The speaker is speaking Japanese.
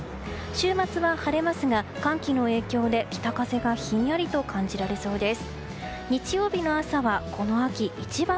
週末は晴れますが寒気の影響で北風がひんやりと感じられそうです。